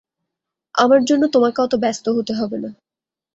আমার জন্যে তোমাকে অত ব্যস্ত হতে হবে না।